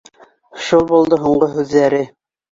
— Шул булды һуңғы һүҙҙәре